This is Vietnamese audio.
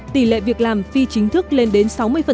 tỷ lệ việc làm phi chính thức lên đến sáu mươi